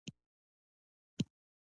دا ژورنال یوازې نوې څیړنیزې مقالې خپروي.